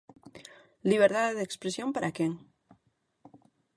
Liberdade de expresión para quen?